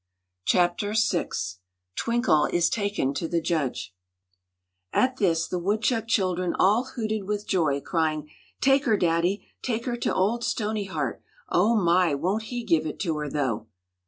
Chapter VI Twinkle is Taken to the Judge AT this the woodchuck children all hooted with joy, crying: "Take her, Daddy! Take her to old Stoneyheart! Oh, my! won't he give it to her, though!"